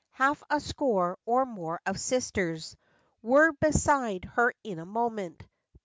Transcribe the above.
Half a score or more of sisters Were beside her in a moment.